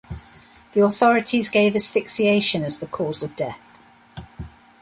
The authorities gave asphyxiation as the cause of death.